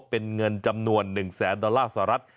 เป็นเงินจำนวน๑แสนดอลลาร์สหรัฐ